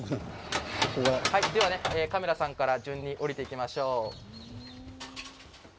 カメラさんから順に降りていきましょう。